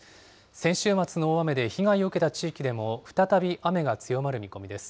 先週末の大雨で被害を受けた地域でも再び雨が強まる見込みです。